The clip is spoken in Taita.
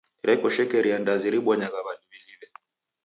Reko shekeria ndazi ribonyagha w'andu w'iliw'e.